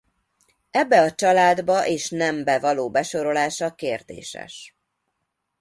Ebbe a családba és nembe való besorolása kérdéses.